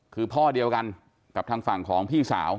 คือพ่อเดียวกันกับทางฝั่งของพี่สาว